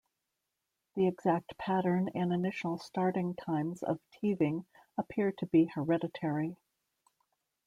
The exact pattern and initial starting times of teething appear to be hereditary.